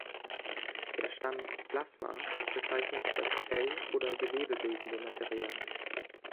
Der Stamm „-plasma“ bezeichnet das zell- oder gewebebildende Material.